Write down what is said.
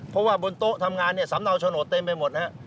เพราะว่าบนโต๊ะทำงานสำเนาโฉนดเต็มไปหมด